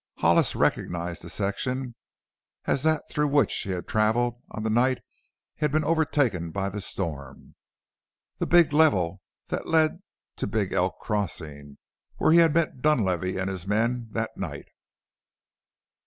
Hollis recognized the section as that through which he had traveled on the night he had been overtaken by the storm the big level that led to Big Elk crossing, where he had met Dunlavey and his men that night.